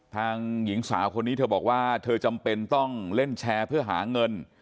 หญิงสาวคนนี้เธอบอกว่าเธอจำเป็นต้องเล่นแชร์เพื่อหาเงิน